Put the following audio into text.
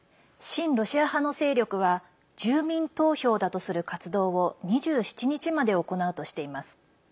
親ロシア派の勢力は住民投票だとする活動を２７日まで行うとしています。